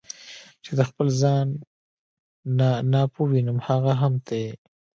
چې د خپل ځان نه ناپوه وینم هغه هم ته یې.